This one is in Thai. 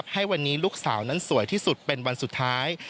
ให้วันนี้ลูกสาวนั้นสวยที่สุดเป็นวันสุดท้าย